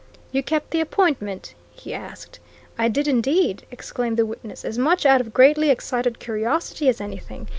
"You kept the appointment?" he asked. "I did, indeed!" exclaimed the witness. "As much out of greatly excited curiosity as anything!